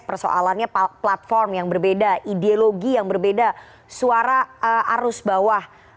persoalannya platform yang berbeda ideologi yang berbeda suara arus bawah